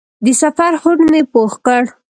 د سفر هوډ مې پوخ کړ.